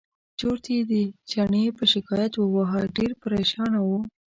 چورت یې د چڼي په شکایت وواهه ډېر پرېشانه و.